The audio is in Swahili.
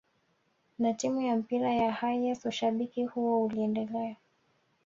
na timu ya mpira ya Hayes ushabiki huo uliendelea